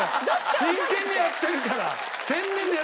真剣にやってるから。